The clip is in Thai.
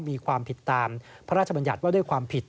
มีความผิดตามพระราชบัญญัติว่าด้วยความผิด